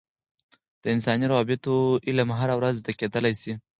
د انساني روابطو علم هره ورځ زده کیدلای سي.